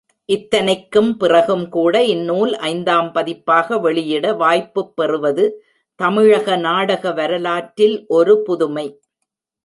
இத்தனைக்கும் பிறகும்கூட இந்நூல் ஐந்தாம் பதிப்பாக வெளியிட வாய்ப்புப் பெறுவது தமிழக நாடக வரலாற்றில் ஒரு புதுமை!